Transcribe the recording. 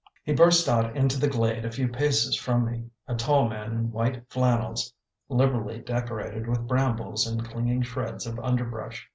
He burst out into the glade a few paces from me, a tall man in white flannels, liberally decorated with brambles and clinging shreds of underbrush.